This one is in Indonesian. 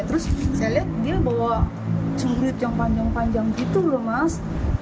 terus saya lihat dia bawa celurit yang panjang panjang gitu loh mas